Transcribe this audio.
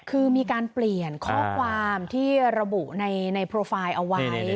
คือมีการเปลี่ยนข้อความที่ระบุในโปรไฟล์เอาไว้